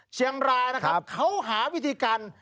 เชียงรายนะครับเขาหาวิธีการ